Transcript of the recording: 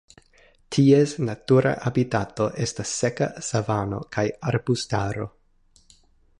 Ties natura habitato estas seka savano kaj arbustaro.